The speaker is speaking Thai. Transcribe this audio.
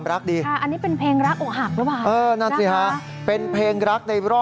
ไม่อยากร้องขอจะไม่รอเธออีกต่อไป